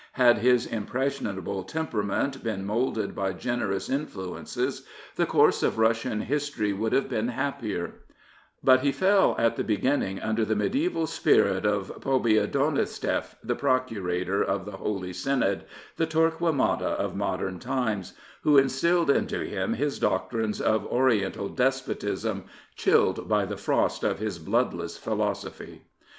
Had his impressionable temperament been moulded by generous influences the course of Russian history would have been happier; but he fell at the begin ning under the medieval spirit of Pobiedonostseff, the Procurator of the Holy Synod, the Torquemada of modem times, who instilled into him his doctrines of Oriental despotism, chilled by the frost of his bloodless philosophy.